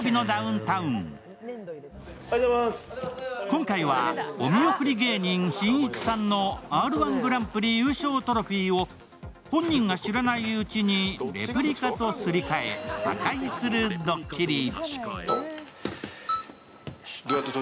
今回は、お見送り芸人しんいちさんのＲ−１グランプリ優勝トロフィーを本人が知らないうちにレプリカとすり替え、破壊するドッキリ。